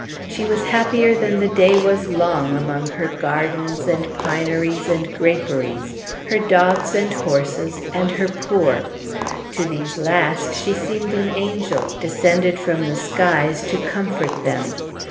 She was happier than the day was long among her gardens, and pineries, and graperies, her dogs and horses, and her poor. To these last she seemed an angel, descended from the skies to comfort them.